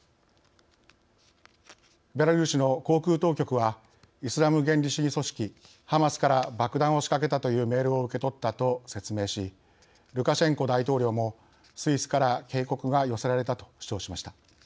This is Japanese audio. ベラルーシの航空当局はイスラム原理主義組織ハマスから爆弾を仕掛けたというメールを受け取ったと説明しルカシェンコ大統領もスイスから警告が寄せられたと主張しました。